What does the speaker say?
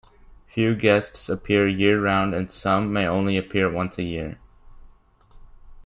Few guests appear year-round and some may only appear once a year.